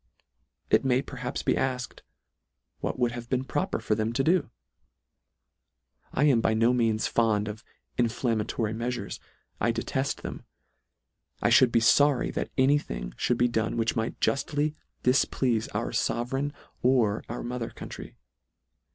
It may perhaps be alked, what would have been proper for them to do ? I am by no means fond of inflammatory meafures. I deteft them. 1 lhould be forry that any thing lhould be done which might juftly dif pleafe our fovereign or our mother country.